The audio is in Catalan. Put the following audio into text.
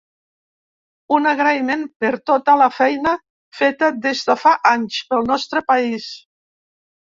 Un agraïment per tota la feina feta, des de fa anys, pel nostre país.